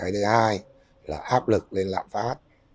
thứ hai là áp lực lên lạm phát